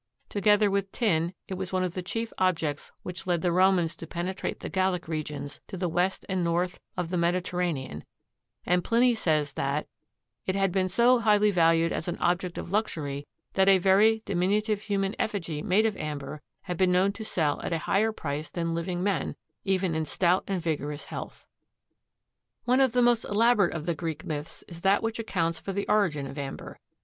Together with tin it was one of the chief objects which led the Romans to penetrate the Gallic regions to the west and north of the Mediterranean and Pliny says that "it had been so highly valued as an object of luxury that a very diminutive human effigy made of amber had been known to sell at a higher price than living men, even in stout and vigorous health." One of the most elaborate of the Greek myths is that which accounts for the origin of amber.